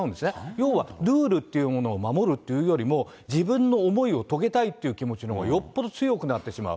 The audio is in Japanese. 要は、ルールというものを守るというよりも、自分の思いを遂げたいっていう気持ちのほうがよっぽど強くなってしまう。